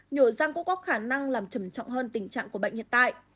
nhổ răng cũng có khả năng làm trầm trọng hơn tình trạng của bệnh hiện tại